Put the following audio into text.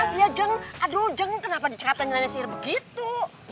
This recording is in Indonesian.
maaf ya jeng aduh jeng kenapa dicatat nganya sihir begitu